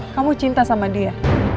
kamu cinta sama dia